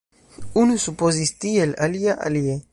Unu supozis tiel, alia alie.